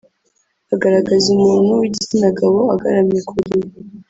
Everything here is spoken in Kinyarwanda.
agaragaza umuntu w’igitsinagabo agaramye ku buriri